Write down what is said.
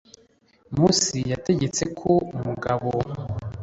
Mose yategetse ko umugabo